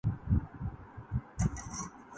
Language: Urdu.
قافلہِ عشق و وفا کا سالار ہے اقبال